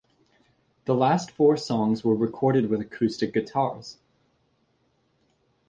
The last four songs were recorded with acoustic guitars.